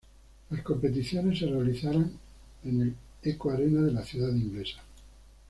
Las competiciones se realizarán en la Echo Arena de la ciudad inglesa.